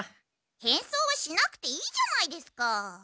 変装はしなくていいじゃないですか。